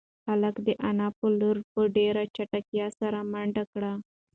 هلک د انا په لور په ډېرې چټکتیا سره منډه کړه.